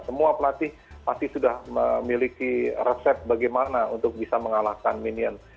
semua pelatih pasti sudah memiliki resep bagaimana untuk bisa mengalahkan minion